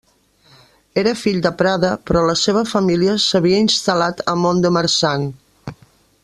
Era fill de Prada, però la seva família s'havia instal·lat a Mont-de-Marsan.